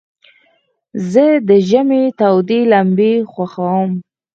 زه د ژمي تودي لمبي خوښوم.